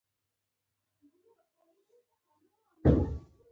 پوه سړی په خوارۍ خوار او جاهل بریالی دی.